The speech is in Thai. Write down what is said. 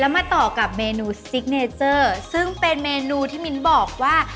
มาต่อกับเมนูซิกเนเจอร์ซึ่งเป็นเมนูที่มิ้นบอกว่า